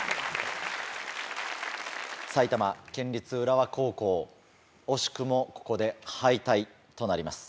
埼玉県立浦和高校惜しくもここで敗退となります。